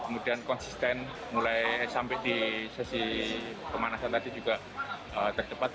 kemudian konsisten mulai sampai di sesi pemanasan tadi juga tercepat